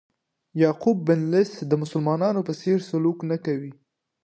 یعقوب بن لیث مسلمانانو په څېر سلوک نه کوي.